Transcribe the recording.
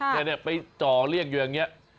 เนี่ยไปจ่อเรียกอยู่อย่างนี้